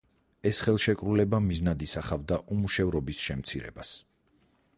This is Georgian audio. ეს ხელშეკრულება მიზნად ისახავდა უმუშევრობის შემცირებას.